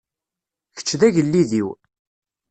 Kečč d agellid-iw.